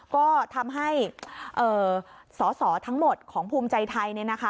ก็ทำให้สอสอทั้งหมดของภูมิใจไทยเนี่ยนะคะ